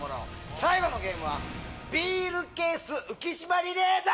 最後のゲームはビールケース浮島リレーだ！